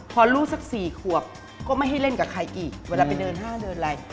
พอลูกสัก๔ขวบก็ไม่ให้เล่นกับใครอีกเวลาไปเดินห้าเดินอะไร